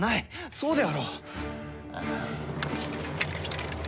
そうであろう？